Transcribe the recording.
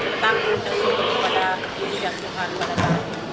tentang tersentuh kepada kebijakan tuhan pada kita